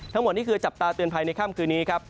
ทั้งหมดนี่คือจับตาเตือนภัยในค่ำคืนนี้ครับ